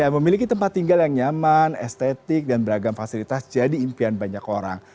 memiliki tempat tinggal yang nyaman estetik dan beragam fasilitas jadi impian banyak orang